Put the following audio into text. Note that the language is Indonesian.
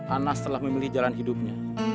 anas telah memilih jalan hidupnya